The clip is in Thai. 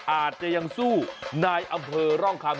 อาจจะยังสู้นายอำเภอร่องคำ